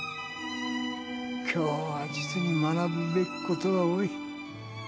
きょうは実に学ぶべきことが多い。